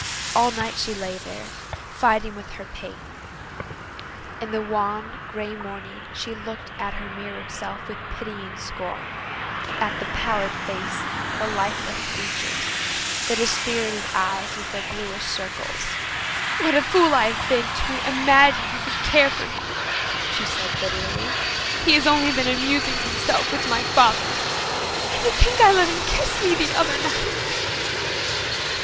All night she lay there, fighting with her pain. In the wan, grey morning she looked at her mirrored self with pitying scorn at the pallid face, the lifeless features, the dispirited eyes with their bluish circles. "What a fool I have been to imagine he could care for me!" she said bitterly. "He has only been amusing himself with my folly. And to think that I let him kiss me the other night!"